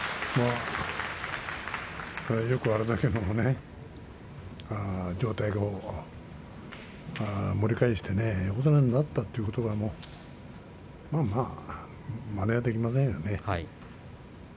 よくあれだけの状態から盛り返して横綱になったということはまあまあ、まねはできませんよね。